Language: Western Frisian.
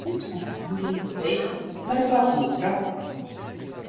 Kees makke in omgeande beweging, mar de kat hie him troch.